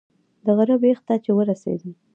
د غره بیخ ته چې ورسېدم.